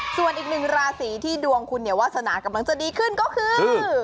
ส่วนอีกหนึ่งราศีที่ดวงคุณเนี่ยวาสนากำลังจะดีขึ้นก็คือ